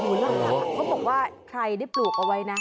เขาบอกว่าใครได้ปลูกเอาไว้นะ